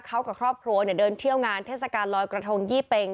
เขากับครอบครัวเดินเที่ยวงานเทศกาลลอยกระทงยี่เป็ง